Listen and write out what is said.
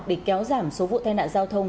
để kéo giảm số vụ tai nạn giao thông